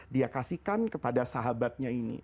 dia kasihkan kepada sahabatnya ini